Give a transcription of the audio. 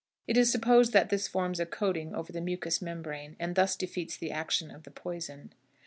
It is supposed that this forms a coating over the mucous membrane, and thus defeats the action of the poison.